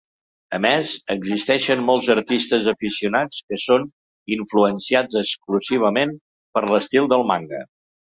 A més, existeixen molts artistes aficionats que són influenciats exclusivament per l'estil del manga.